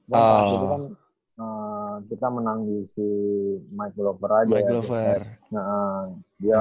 kita menang di mike glover aja ya